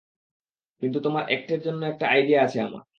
কিন্তু তোমার অ্যাক্টের জন্য একটা আইডিয়া আছে আমার।